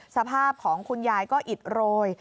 สภาพของคุณยายก็อิดโรย